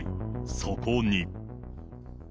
そこに。